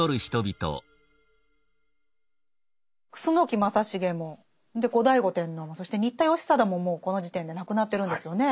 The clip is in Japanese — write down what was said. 楠木正成も後醍醐天皇もそして新田義貞ももうこの時点で亡くなってるんですよね。